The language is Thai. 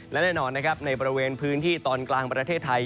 และแน่นอนนะครับในบริเวณพื้นที่ตอนกลางประเทศไทย